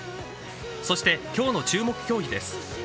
そして、きょうの注目競技です。